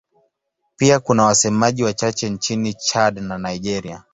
Pia kuna wasemaji wachache nchini Chad na Nigeria.